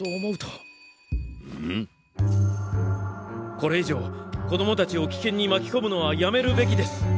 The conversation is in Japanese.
これ以上子供たちを危険に巻きこむのはやめるべきです。